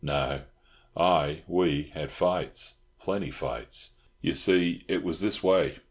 No I We had fights—plenty fights. You see, it was this way.